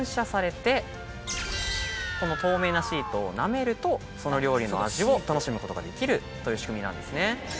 この透明なシートを舐めるとその料理の味を楽しむことができるという仕組みなんですね。